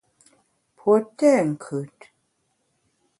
Pue tèt nkùt.